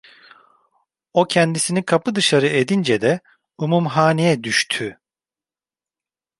O kendisini kapı dışarı edince de umumhaneye düştü.